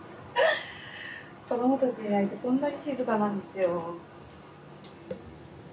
子どもたちいないとこんなに静かなんですよ。